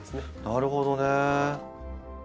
なるほどね。